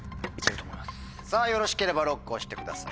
さぁよろしければＬＯＣＫを押してください。